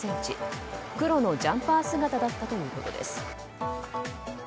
黒のジャンパー姿だったということです。